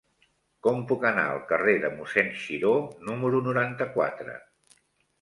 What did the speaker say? Com puc anar al carrer de Mossèn Xiró número noranta-quatre?